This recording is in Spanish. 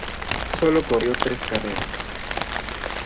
Sólo corrió tres carreras.